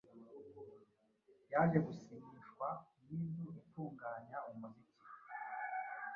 yaje gusinyishwa n’inzu itunganya umuziki